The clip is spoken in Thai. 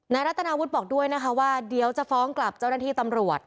รัฐนาวุฒิบอกด้วยนะคะว่าเดี๋ยวจะฟ้องกลับเจ้าหน้าที่ตำรวจ